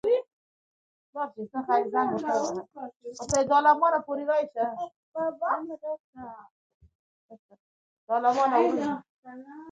مزارشریف د افغانستان د جغرافیوي تنوع مثال دی.